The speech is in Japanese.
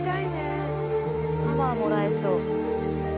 パワーもらえそう。